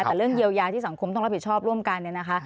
แต่เรื่องเยียวยาที่สังคมต้องรับผิดชอบร่วมกันเนี่ยนะคะ